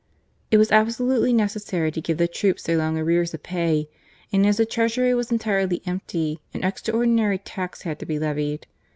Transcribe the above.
It was absolutely necessary to give the troops their long arrears of pay, and as the Treasury was entirely empty an extraordinary tax had to be levied.